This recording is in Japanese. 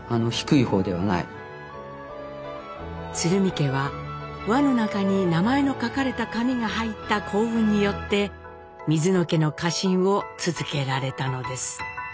家は輪の中に名前の書かれた紙が入った幸運によって水野家の家臣を続けられたのです。